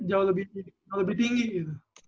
jauh lebih tinggi gitu